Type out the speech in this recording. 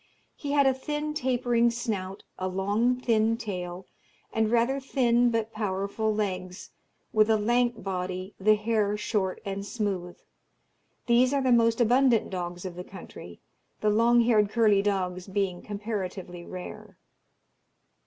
He had a thin tapering snout, a long thin tail, and rather thin but powerful legs, with a lank body, the hair short and smooth. These are the most abundant dogs of the country, the long haired curly dogs being comparatively rare.